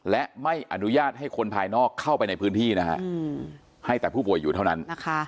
และไม่อนุญาตให้คนภายนอกเข้าไปในพื้นที่นะฮะให้แต่ผู้ป่วยอยู่เท่านั้น